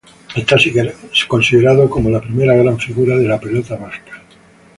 Está considerado como la primera gran figura de la pelota vasca.